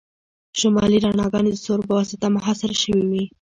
شمالي رڼاګانې د ستورو په واسطه محاصره شوي وي